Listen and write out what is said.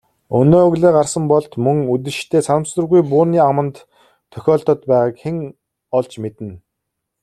Өнөө өглөө гарсан Болд мөн үдэштээ санамсаргүй бууны аманд тохиолдоод байгааг хэн олж мэднэ.